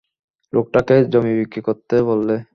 লোকটাকে জমি বিক্রি করতে বললে।